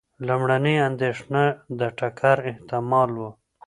لومړنۍ اندېښنه د ټکر احتمال و.